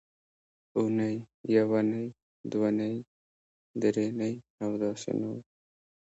اونۍ یونۍ دونۍ درېنۍ او داسې نور